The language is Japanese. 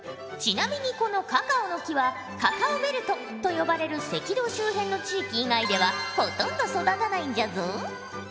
ちなみにこのカカオの木はカカオベルトと呼ばれる赤道周辺の地域以外ではほとんど育たないんじゃぞ。